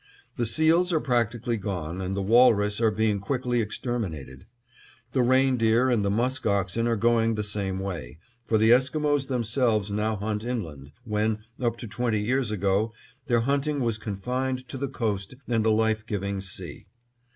The seals are practically gone, and the walrus are being quickly exterminated. The reindeer and the musk oxen are going the same way, for the Esquimos themselves now hunt inland, when, up to twenty years ago, their hunting was confined to the coast and the life giving sea.